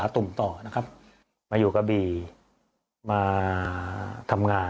ก็เลยต้องมาไลฟ์ขายของแบบนี้เดี๋ยวดูบรรยากาศกันหน่อยนะคะ